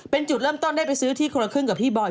เป็นจุดเริ่มต้นได้ไปซื้อที่คนละครึ่งกับพี่บอย